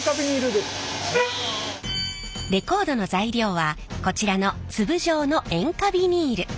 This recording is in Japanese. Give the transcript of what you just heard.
レコードの材料はこちらの粒状の塩化ビニール。